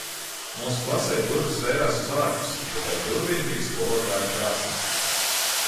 Mūsu klasei durvis vērās uz ārpusi bet aiz durvīm bija skolotāja krāsns.